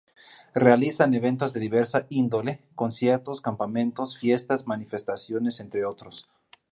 Realizan eventos de diversa índole, conciertos, campamentos, fiestas, manifestaciones entre otros.